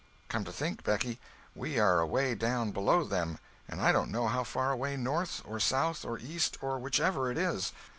"Come to think, Becky, we are away down below them—and I don't know how far away north, or south, or east, or whichever it is.